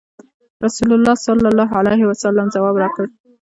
رسول الله صلی الله علیه وسلم ځواب راکړ.